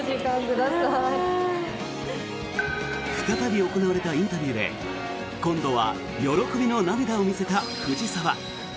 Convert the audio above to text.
再び行われたインタビューで今度は喜びの涙を見せた藤澤。